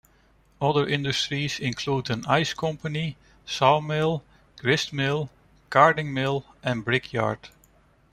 Other industries included an ice company, sawmill, gristmill, carding mill and brickyard.